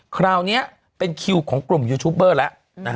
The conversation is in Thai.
คราวนี้เป็นคิวของกลุ่มยูทูบเบอร์แล้ว